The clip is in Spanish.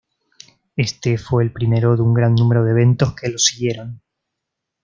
Este fue el primero de un gran número de eventos que lo siguieron.